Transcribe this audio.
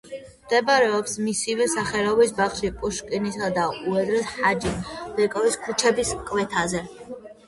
მდებარეობს მისივე სახელობის ბაღში პუშკინისა და უზეირ ჰაჯიბეკოვის ქუჩების კვეთაზე.